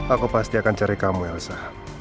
aku pasti akan cari kamu elsa